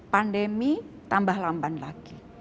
pandemi tambah lamban lagi